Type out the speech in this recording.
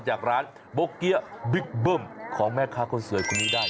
จากร้านโบเกี๊ยะบิ๊กเบิ้มของแม่ค้าคนสวยคนนี้ได้